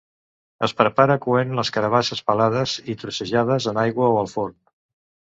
Es prepara coent les carabasses pelades i trossejades en aigua o al forn.